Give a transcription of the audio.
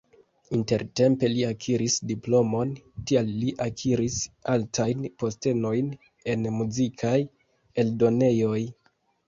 Intertempe li akiris diplomon, tial li akiris altajn postenojn en muzikaj eldonejoj.